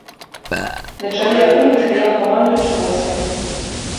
На чале акругі стаяў камандуючы войскамі.